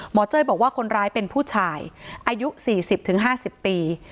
เจ้ยบอกว่าคนร้ายเป็นผู้ชายอายุ๔๐๕๐ปี